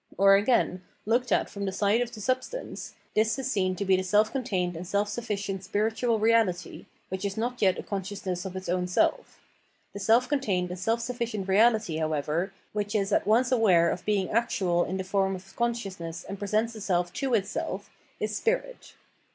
Or again, looked at from the side of the sub stance, this is seen to be the self contained and self sufficient spiritual reahty, which is not yet a conscious ness of its own self. The self contained and self suffi cient reahty, however, which is at once aware of being actual in the form of consciousness and presents itself to itseM, is Spirit.